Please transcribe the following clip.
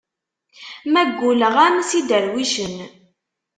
Ma gguleɣ-am s iderwicen.